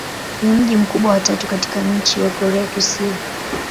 Ni mji mkubwa wa tatu katika nchi wa Korea Kusini.